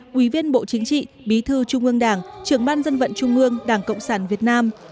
quý viên bộ chính trị bí thư trung ương đảng trưởng ban dân vận trung ương đảng cộng sản việt nam